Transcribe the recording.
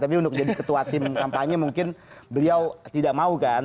tapi untuk jadi ketua tim kampanye mungkin beliau tidak mau kan